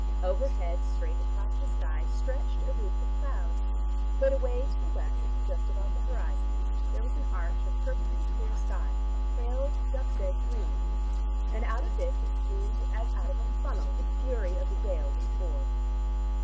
Overhead, straight across the sky, stretched a roof of cloud, but away to the West, just above the horizon line, there was an arch of perfectly clear sky, of pale duck's egg green, and out of this it seemed as out of a funnel the fury of the gale was poured.